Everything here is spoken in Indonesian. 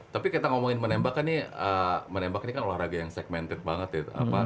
tapi kita ngomongin menembak kan nih menembak ini kan olahraga yang segmented banget ya